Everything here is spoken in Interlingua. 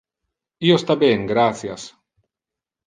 Io sta ben, gratias.